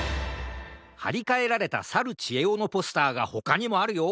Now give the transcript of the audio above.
はりかえられたさるちえおのポスターがほかにもあるよ。